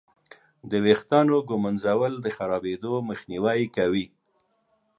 د ویښتانو ږمنځول د خرابېدو مخنیوی کوي.